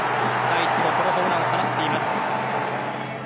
第１号ソロホームランを放っています。